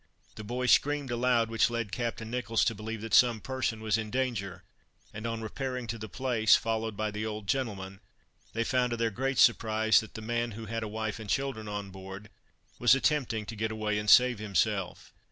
The boy screamed aloud, which led Captain Nicholls to believe that some person was in danger, and on repairing to the place, followed by the old gentleman, they found to their great surprise, that the man, who had a wife and children on board, was attempting to get away and save himself.